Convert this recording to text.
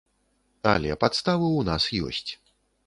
Але падставы ў нас ёсць.